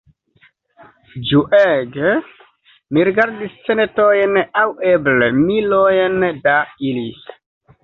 Ĝuege mi rigardis centojn aŭ eble milojn da ili.